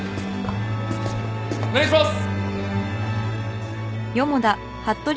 お願いします！